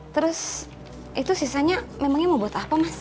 terus itu sisanya memangnya mau buat apa mas